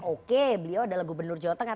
oke beliau adalah gubernur jawa tengah